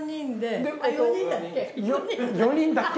４人だっけ？